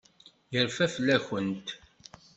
Yerfa fell-akent.